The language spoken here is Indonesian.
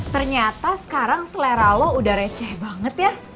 ternyata sekarang selera lo udah receh banget ya